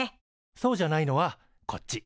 そうじゃないのはこっち。